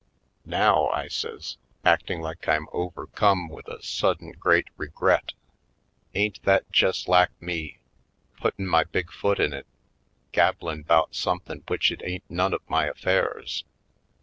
"Now!" I says, acting like I'm overcome 206 /. Poindexterj Colored with a sudden great regret. "Ain't that jes' lak me, puttin' my big foot in it, gab blin' 'bout somethin' w'ich it ain't none of my affairs?